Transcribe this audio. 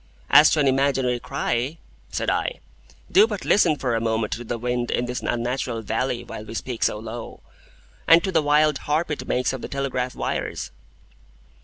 "As to an imaginary cry," said I, "do but listen for a moment to the wind in this unnatural valley while we speak so low, and to the wild harp it makes of the telegraph wires."